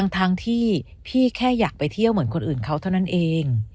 ทั้งที่พี่แค่อยากไปเที่ยวเหมือนคนอื่นเขาเท่านั้นเอง